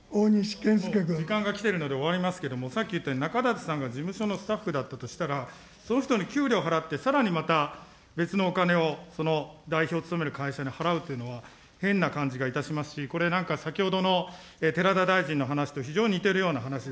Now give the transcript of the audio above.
時間が来てるので終わりますけれども、先ほど言ったようになかだてさんが事務所のスタッフだったとしたら、その人に給料を払って、さらにまた別のお金を代表を務める会社に払うというのは変な感じがいたしますし、これ、なんか先ほどの寺田大臣の話と非常に似てるような話。